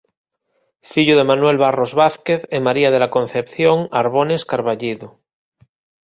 Fillo de Manuel Barros Vázquez e María de la Concepción Arbones Carballido.